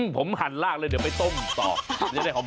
ผมหันลากเลยเดี๋ยวไปต้มต่อจะได้หอม